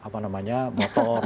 motor yang terperat pengganti